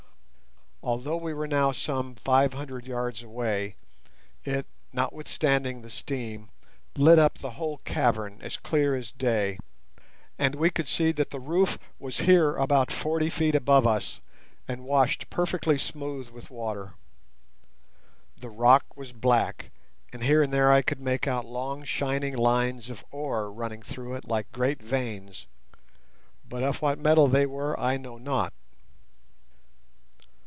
Although we were now some five hundred yards away, it, notwithstanding the steam, lit up the whole cavern as clear as day, and we could see that the roof was here about forty feet above us, and washed perfectly smooth with water. The rock was black, and here and there I could make out long shining lines of ore running through it like great veins, but of what metal they were I know not.